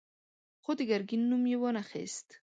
خو د ګرګين نوم يې وانه خيست.